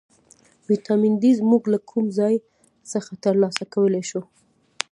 ویټامین ډي موږ له کوم ځای څخه ترلاسه کولی شو